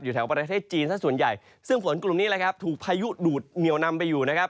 แถวประเทศจีนสักส่วนใหญ่ซึ่งฝนกลุ่มนี้แหละครับถูกพายุดูดเหนียวนำไปอยู่นะครับ